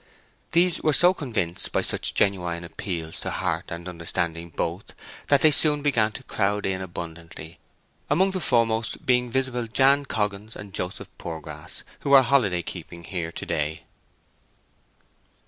These were so convinced by such genuine appeals to heart and understanding both that they soon began to crowd in abundantly, among the foremost being visible Jan Coggan and Joseph Poorgrass, who were holiday keeping here to day.